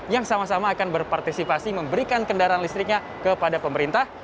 yang sama sama akan berpartisipasi memberikan kendaraan listriknya kepada pemerintah